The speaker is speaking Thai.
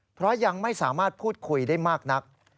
เพราะยังไม่สามารถพูดคุยได้มากนัก